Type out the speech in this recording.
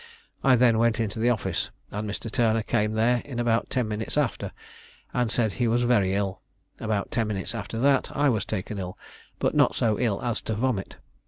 I then went into the office, and Mr. Turner came there in about ten minutes after, and said he was very ill. About ten minutes after that I was taken ill, but not so ill as to vomit.